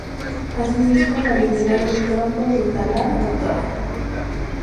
Asimismo, la delegada de Troncos de Talar Dra.